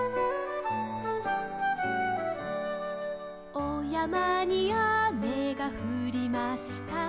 「おやまにあめがふりました」